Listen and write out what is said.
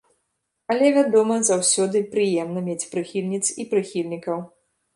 Але, вядома, заўсёды прыемна мець прыхільніц і прыхільнікаў!